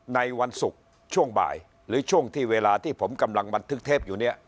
ในวันศุกร์ช่วงบ่ายหรือช่วงที่เวลาที่ผมกำลังบันทึกเทปอยู่เนี่ย